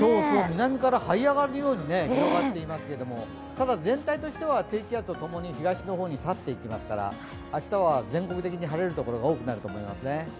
南からはい上がるように広がっていますけどただ全体としては低気圧と共に東の方に去っていきますから明日は全国的に晴れる所が多くなると思いますね。